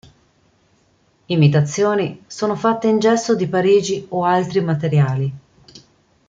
Imitazioni sono fatte in gesso di Parigi o altri materiali.